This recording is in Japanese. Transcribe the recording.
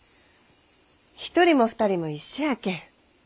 一人も二人も一緒やけん。